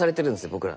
僕ら。